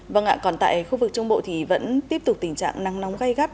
vâng ạ còn tại khu vực trung bộ thì vẫn tiếp tục tình trạng nắng nóng gai gắt